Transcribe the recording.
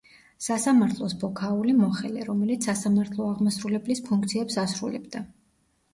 სასამართლოს ბოქაული, მოხელე, რომელიც სასამართლო აღმასრულებლის ფუნქციებს ასრულებდა.